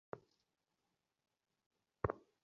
আনিস স্পষ্ট শুনল সঙ্গে-সঙ্গে ঝমঝম করে কোথাও নুপুর বাজছে।